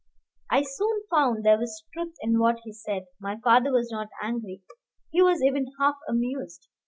I soon found there was truth in what he said. My father was not angry, he was even half amused.